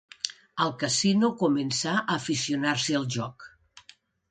Al casino, començà a aficionar-se al joc.